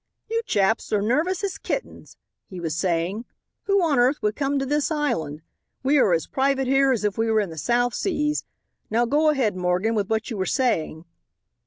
"You chaps are nervous as kittens," he was saying, "who on earth would come to this island? We are as private here as if we were in the South Seas. Now go ahead, Morgan, with what you were saying."